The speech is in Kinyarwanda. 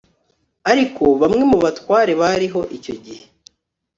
ariko bamwe mu batware bariho icyo gihe